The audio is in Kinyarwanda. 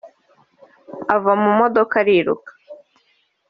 ava mu modoka ariruka